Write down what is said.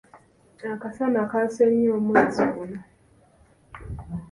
Akasana kaase nnyo omwezi guno.